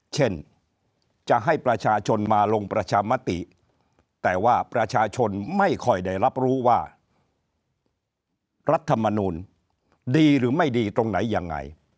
เช่นจะให้ประชาชนมาลงประชามติแต่ว่าประชาชนไม่ค่อยได้รับรู้ว่ารัฐมนูลดีหรือไม่ดีตรงไหนยังไง